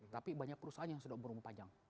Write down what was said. tapi banyak perusahaan yang sudah berumur panjang